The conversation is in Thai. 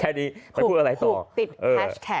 แค่นี้ไปพูดอะไรต่อ